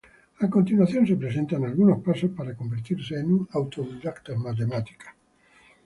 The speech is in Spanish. A continuación se presentan algunos pasos para convertirse en un autodidacta en matemáticas